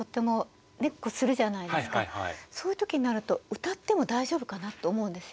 そういうときになると歌っても大丈夫かなって思うんですよ。